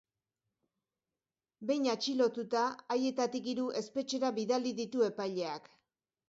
Behin atxilotuta, haietatik hiru espetxera bidali ditu epaileak.